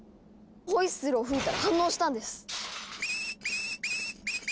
ホイッスルを吹いたら反応したんです！